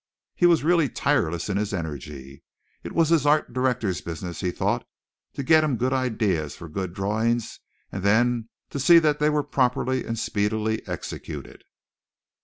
He was really tireless in his energy. It was his art director's business, he thought, to get him good ideas for good drawings and then to see that they were properly and speedily executed.